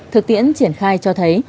thực tiễn triển khai cho thấy